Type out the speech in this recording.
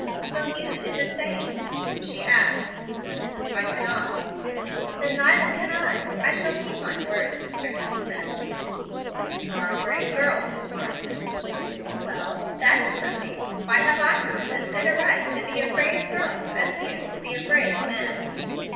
"Will you do the same?" she asked. "I cannot." "Then neither can I. I shall keep my word, Mr. Hemstead." "You are a brave girl, Miss Marsden." "Well, that is nothing. Why have I not as good a right to be a brave girl as you to be a brave man?"